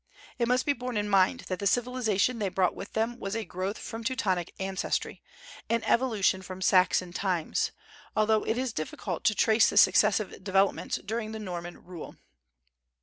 It must be borne in mind that the civilization they brought with them was a growth from Teutonic ancestry, an evolution from Saxon times, although it is difficult to trace the successive developments during the Norman rule.